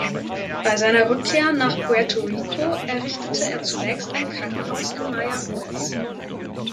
Bei seiner Rückkehr nach Puerto Rico errichtete er zunächst ein Krankenhaus in Mayagüez.